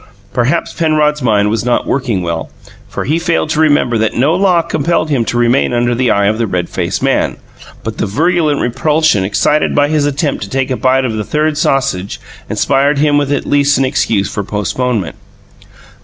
Perhaps Penrod's mind was not working well, for he failed to remember that no law compelled him to remain under the eye of the red faced man, but the virulent repulsion excited by his attempt to take a bite of the third sausage inspired him with at least an excuse for postponement.